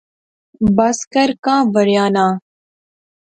بس کر، کہاوریاں ناں